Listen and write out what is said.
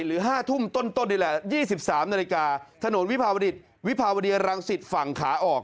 ๕ทุ่มต้นนี่แหละ๒๓นาฬิกาถนนวิภาวดิษฐ์วิภาวดีรังสิตฝั่งขาออก